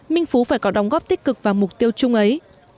minh phú phải có đóng góp tích cực vào mục tiêu chung ấy